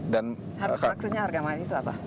maksudnya harga main itu apa